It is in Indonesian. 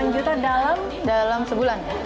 tujuh delapan juta dalam sebulan ya